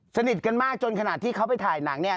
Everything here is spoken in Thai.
สนิทกันมากจนขนาดที่เขาไปถ่ายหนังเนี่ย